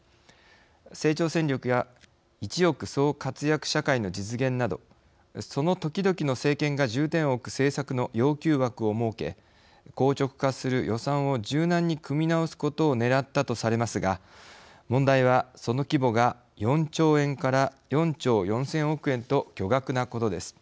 成長戦略や一億総活躍社会の実現などその時々の政権が重点を置く政策の要求枠を設け硬直化する予算を柔軟に組み直すことをねらったとされますが問題はその規模が４兆円から４兆４，０００億円と巨額なことです。